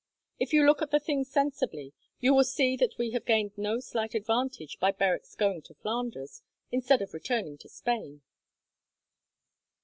If you look at the thing sensibly, you will see that we have gained no slight advantage by Berwick's going to Flanders, instead of returning to Spain."